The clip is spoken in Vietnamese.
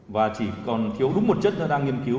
và chỉ còn thiếu đúng một chất nó đang nghiên cứu